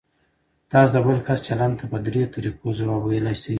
تاسو د بل کس چلند ته په درې طریقو ځواب ویلی شئ.